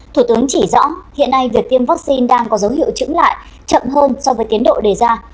thủ tướng chỉ rõ hiện nay việc tiêm vaccine đang có dấu hiệu trứng lại chậm hơn so với tiến độ đề ra